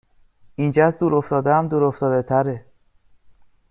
اینجااز دور افتاده هم دور افتاده تره